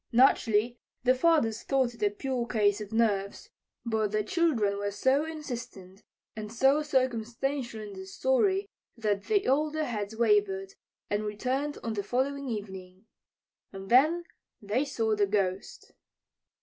Naturally, the fathers thought it a pure case of nerves. But the children were so insistent and so circumstantial in their story that the older heads wavered and returned on the following evening. And then they saw the Ghost!